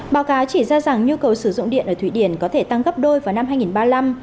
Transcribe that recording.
báo cáo chỉ ra rằng nhu cầu sử dụng điện ở thụy điển có thể tăng gấp đôi vào năm hai nghìn ba mươi năm